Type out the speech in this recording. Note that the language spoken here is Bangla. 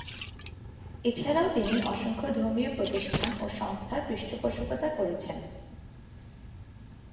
এছাড়াও তিনি অসংখ্য ধর্মীয় প্রতিষ্ঠান ও সংস্থার পৃষ্ঠপোষকতা করেছেন।